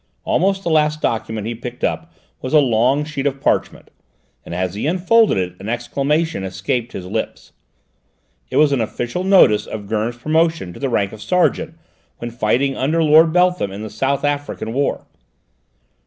Almost the last document he picked up was a long sheet of parchment, and as he unfolded it an exclamation escaped his lips. It was an official notice of Gurn's promotion to the rank of sergeant when fighting under Lord Beltham in the South African War.